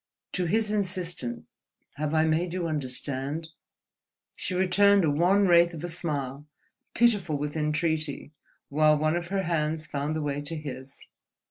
To his insistent "Have I made you understand?" she returned a wan wraith of a smile, pitiful with entreaty, while one of her hands found the way to his.